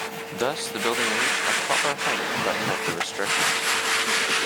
Thus the building reached a proper height but met the restrictions.